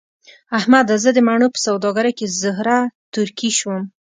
احمده! زه د مڼو په سوداګرۍ کې زهره ترکی شوم.